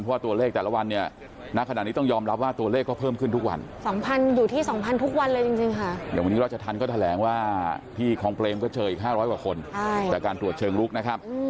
เพราะว่าตัวเลขแต่ละวันนี้